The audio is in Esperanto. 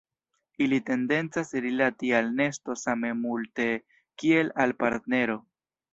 Ili tendencas rilati al nesto same multe kiel al partnero.